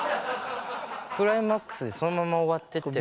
クライマックスでそのまま終わってってるから。